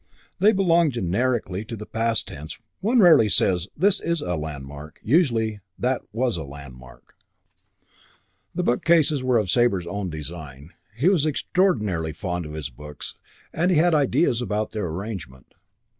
They belong generically to the past tense; one rarely says, "This is a landmark"; usually "That was a landmark." IV The bookcases were of Sabre's own design. He was extraordinarily fond of his books and he had ideas about their arrangement.